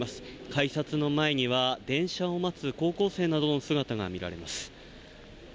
改札の前には電車を待つ高校生などの姿が見られます。